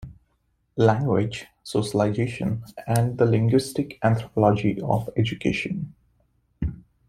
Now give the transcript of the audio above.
Language Socialization and the Linguistic Anthropology of Education.